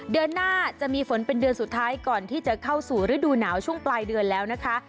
เดือนหน้าจะมีฝนเป็นเดือนสุดท้ายก่อนที่จะเข้าสู่ฤดูหนาวช่วงปลายเดือนแล้วนะคะ